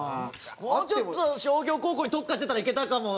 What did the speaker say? もうちょっと商業高校に特化してたらいけたかも。